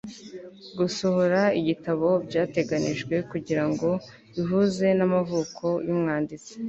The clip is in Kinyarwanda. gusohora igitabo byateganijwe kugirango bihuze n'amavuko y'umwanditsi